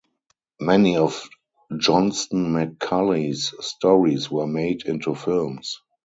Many of Johnston McCulley's stories were made into films.